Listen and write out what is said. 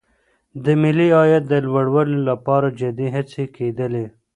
د ملي عاید د لوړولو لپاره جدي هڅي کیدلې.